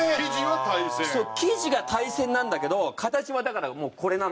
生地が大戦なんだけど形はだからこれなの。